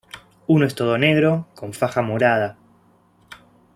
Uno es todo negro, con faja morada.